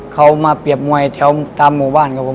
เขามาเปรียบมวยแถวตามหมู่บ้านครับผม